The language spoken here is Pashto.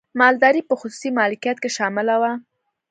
مالداري په خصوصي مالکیت کې شامله وه.